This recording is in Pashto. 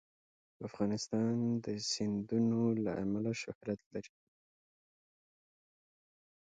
افغانستان د سیندونه له امله شهرت لري.